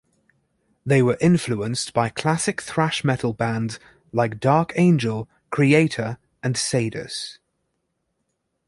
They were influenced by classic thrash metal bands like Dark Angel, Kreator and Sadus.